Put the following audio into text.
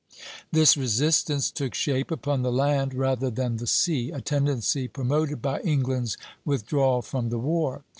This resistance took shape upon the land rather than the sea, a tendency promoted by England's withdrawal from the war.